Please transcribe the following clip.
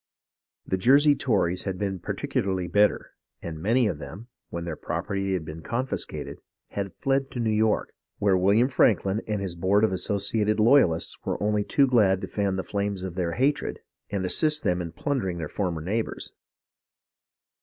The Jersey Tories had been particularly bitter, and many of them, when their property had been confiscated, had fled to New York, where William Franklin and his Board of Associated Loyalists were only too glad to fan the flames of their hatred and assist them in plundering their former neighbours.